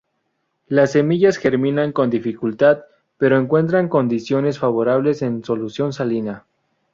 Las semillas germinan con dificultad, pero encuentran condiciones favorables en solución salina.